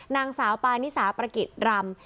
นางสาวปานิสาประกิจรำ